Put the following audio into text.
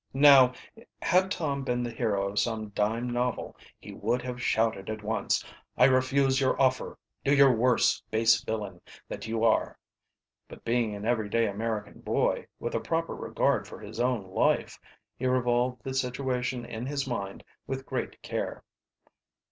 Now, had Tom been the hero of some dime novel he would have shouted at once, "I refuse your offer do your worse, base villain that you are!" But being an everyday American boy, with a proper regard for his own life, he revolved the situation in his mind with great care.